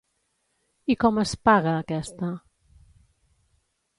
I com es paga aquesta.?